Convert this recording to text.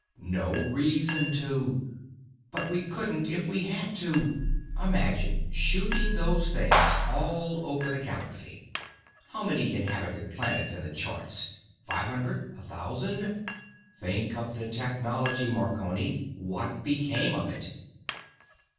"No reason to." "But we couldn't if we had to. Imagine shooting those things all over the Galaxy. How many inhabited planets in the charts—five hundred? A thousand? Think of the technology, Marconi. What became of it?"